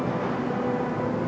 ini buat kamu